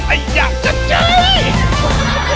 ไอ้ยะชัดชัย